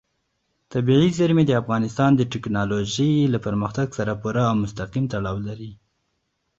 طبیعي زیرمې د افغانستان د تکنالوژۍ له پرمختګ سره پوره او مستقیم تړاو لري.